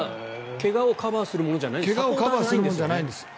怪我をカバーするもんじゃないんです。